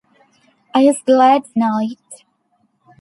I was glad to know it.